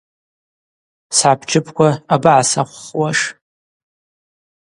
Схӏапчыпква абагӏасахвхуаш?